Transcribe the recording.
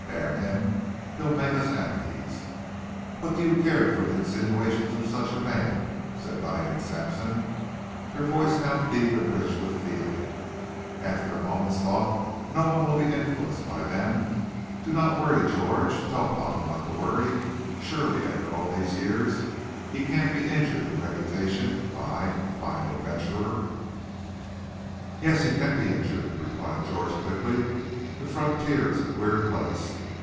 Damn him! He'll make us enemies." "What do you care for the insinuations of such a man?" said Diane Sampson, her voice now deep and rich with feeling. "After a moment's thought no one will be influenced by them. Do not worry, George, tell papa not to worry. Surely after all these years he can't be injured in reputation by by an adventurer." "Yes, he can be injured," replied George quickly. "The frontier is a queer place.